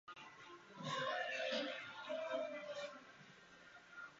美味しい紅茶